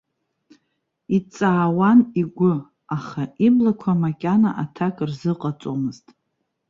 Иҵаауан игәы, аха иблақәа макьана аҭак рзыҟаҵомызт.